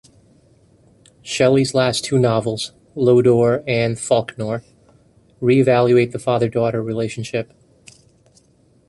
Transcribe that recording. Shelley's last two novels, "Lodore" and "Falkner", re-evaluate the father-daughter relationship.